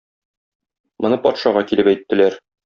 Моны патшага килеп әйттеләр.